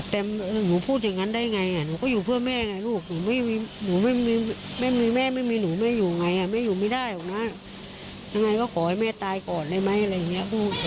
ทั้งอย่างไรก็ขอให้แม่ตายก่อนเลยไหมอะไรอย่างนี้